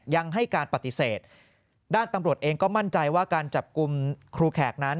ยังให้การปฏิเสธด้านตำรวจเองก็มั่นใจว่าการจับกลุ่มครูแขกนั้น